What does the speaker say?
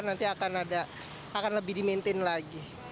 nanti akan lebih dimaintain lagi